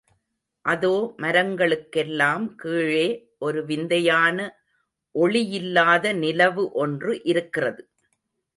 அதோ மரங்களுக்கெல்லாம் கீழே ஒரு விந்தையான ஒளியில்லாத நிலவு ஒன்று இருக்கிறது.